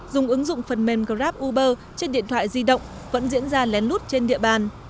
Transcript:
dùng ứng dụng phần mềm grab uber trên điện thoại di động vẫn diễn ra lén lút trên địa bàn